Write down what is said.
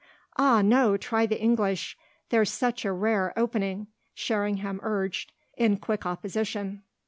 "Ah no, try the English: there's such a rare opening!" Sherringham urged in quick opposition.